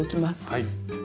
はい。